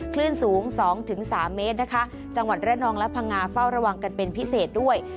คลื่นสูง๒๓เมตรนะคะจังหวัดระนองและพังงาเฝ้าระวังกันเป็นพิเศษด้วย